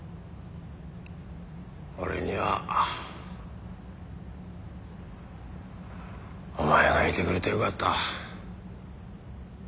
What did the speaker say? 俺にはお前がいてくれてよかった。